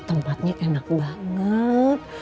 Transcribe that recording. tempatnya enak banget